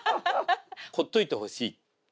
ほっといてほしい